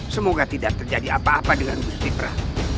semoga tidak terjadi apa apa dengan musti pra